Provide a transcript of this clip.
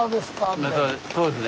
そうですね。